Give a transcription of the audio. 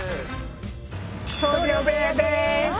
僧侶部屋です。